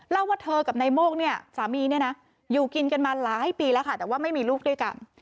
ว่าเธอกับนายโมกเนี่ยสามีเนี่ยนะอยู่กินกันมาหลายปีแล้วค่ะแต่ว่าไม่มีลูกด้วยกัน